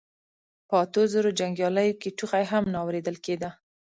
په اتو زرو جنګياليو کې ټوخی هم نه اورېدل کېده.